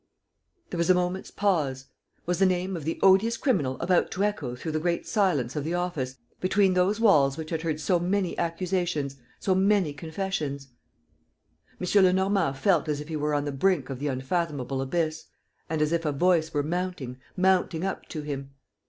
There was a moment's pause. ... Was the name of the odious criminal about to echo through the great silence of the office, between those walls which had heard so many accusations, so many confessions? M. Lenormand felt as if he were on the brink of the unfathomable abyss and as if a voice were mounting, mounting up to him.